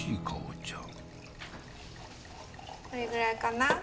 これぐらいかな。